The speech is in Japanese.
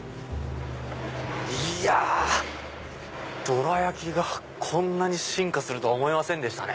いやどら焼きがこんなに進化するとは思いませんでしたね。